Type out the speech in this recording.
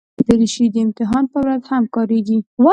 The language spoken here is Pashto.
دریشي د امتحان پر ورځ هم کارېږي.